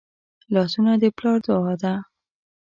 لاسونه د پلار دعا ده